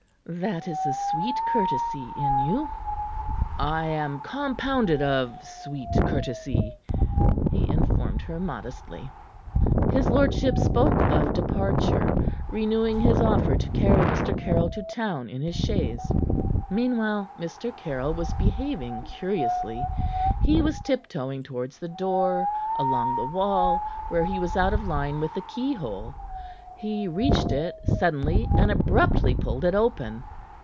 "That is a sweet courtesy in you." "I am compounded of sweet courtesy," he informed her modestly. His lordship spoke of departure, renewing his offer to carry Mr. Caryll to town in his chaise. Meanwhile, Mr. Caryll was behaving curiously. He was tiptoeing towards the door, along the wall, where he was out of line with the keyhole. He reached it suddenly, and abruptly pulled it open.